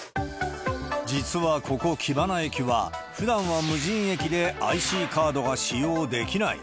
実は、ここ、木花駅は、ふだんは無人駅で、ＩＣカードが使用できない。